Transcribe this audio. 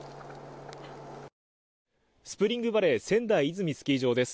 スプリングバレー仙台泉スキー場です。